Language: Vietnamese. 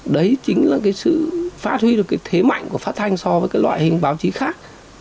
đấy chính là cái sự phát huy được cái thế mạnh của phát thanh so với cái loại hình báo chí khác